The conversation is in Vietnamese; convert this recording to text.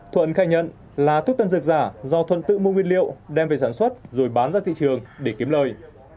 thuận khai nhận là thuốc tân dược giả do thuận tự mua nguyên liệu đem về sản xuất rồi bán ra thị trường để kiếm lời